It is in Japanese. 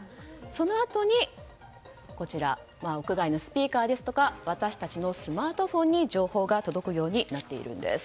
そのあとに屋外のスピーカーや私たちのスマートフォンに情報が届くようになっています。